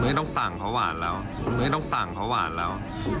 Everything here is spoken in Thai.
ไม่จริง๑ปีแล้วนะไม่ต้องสั่งเพราะวานแล้ว